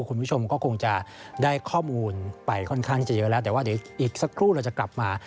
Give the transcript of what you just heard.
คุณผู้ชมก็คงจะได้ข้อมูลไปค่อนข้างจะเยอะแล้วแต่ว่าเดี๋ยวอีกสักครู่เราจะกลับมา